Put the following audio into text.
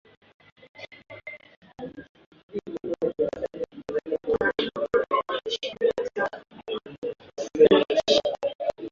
Isitoshe serikali yake itawalipa fidia ya shilingi milioni moja baada ya kuwaachilia huru